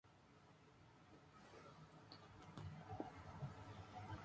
El primer recital que realizaron fue en el colegio en el que asistía Cristian.